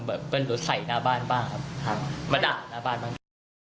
แบบเป็นรถใส่หน้าบ้านบ้างครับครับมาด่าหน้าบ้านบ้าง